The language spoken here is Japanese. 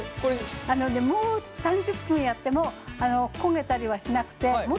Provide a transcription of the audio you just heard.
あのねもう３０分やっても焦げたりはしなくてうわ！